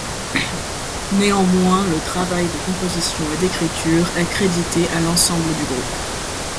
Néanmoins, le travail de composition et d'écriture est crédité à l'ensemble du groupe.